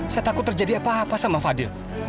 saya takut terjadi apa apa sama fadil